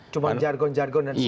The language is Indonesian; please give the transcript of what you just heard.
cuma jargon jargon dan simbol simbol